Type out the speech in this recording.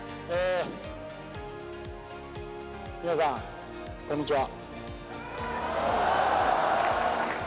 皆さん、こんにちは。